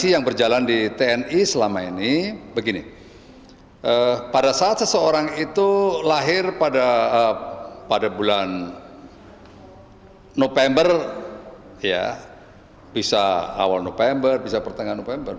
ya bisa awal november bisa pertengahan november